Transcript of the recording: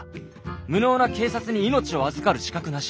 無能な警察に命を預かる資格なし。